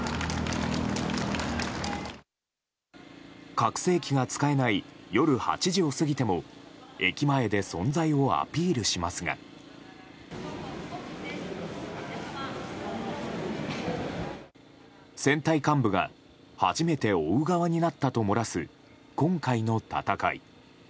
拡声機が使えない夜８時を過ぎても駅前で存在をアピールしますが選対幹部が初めて追う側になったと漏らす今回の戦い。